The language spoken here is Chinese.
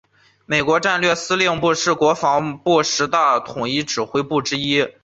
美国战略司令部是国防部十大统一指挥部之一。